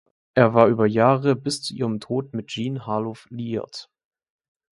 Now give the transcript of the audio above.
Er war über Jahre bis zu ihrem Tod mit Jean Harlow liiert.